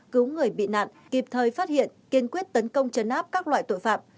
cứu người bị nạn kịp thời phát hiện kiên quyết tấn công chấn áp các loại tội phạm